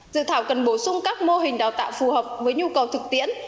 dự thảo cần bổ sung các mô hình đào tạo phù hợp với nhu cầu thực tiễn